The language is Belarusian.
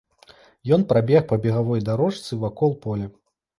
Ён прабег па бегавой дарожцы вакол поля.